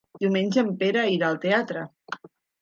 Diumenge en Pere irà al teatre.